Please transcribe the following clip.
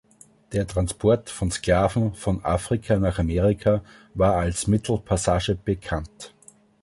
Der Transport von Sklaven von Afrika nach Amerika war als Mittelpassage bekannt.